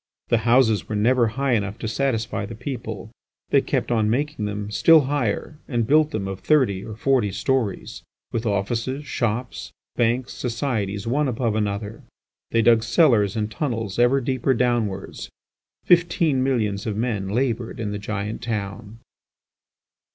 The houses were never high enough to satisfy the people; they kept on making them still higher and built them of thirty or forty storeys, with offices, shops, banks, societies one above another; they dug cellars and tunnels ever deeper downwards. Fifteen millions of men laboured in the giant town.